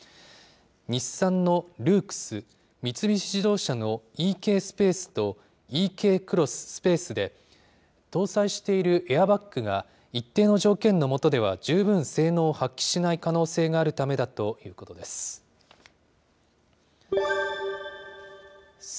日産のルークス、三菱自動車のｅＫスペースと、ｅＫクロススペースで、搭載しているエアバッグが、一定の条件のもとでは、十分性能を発揮しない可能性があるためだということです。